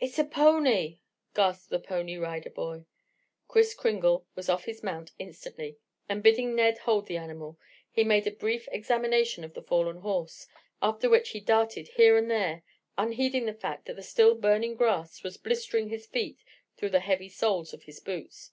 "It's a pony," gasped the Pony Rider boy. Kris Kringle was off his own mount instantly, and bidding Ned hold the animal, he made a brief examination of the fallen horse, after which he darted here and there, unheeding the fact that the still burning grass was blistering his feet through the heavy soles of his boots.